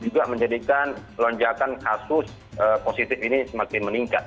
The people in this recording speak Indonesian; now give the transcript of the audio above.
juga menjadikan lonjakan kasus positif ini semakin meningkat